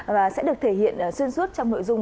và sẽ được thể hiện xuyên suốt trong nội dung